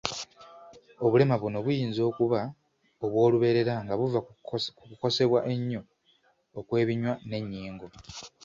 Obulema buno buyinza okuba obw’olubeerera nga buva ku kukosebwa ennyo okw’ebinywa n’ennyingo.